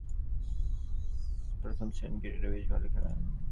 তিনি ব্যাটসম্যান হিসেবে প্রথম-শ্রেণীর ক্রিকেটে বেশ ভালো খেলেন।